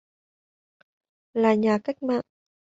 là nhà cách mạng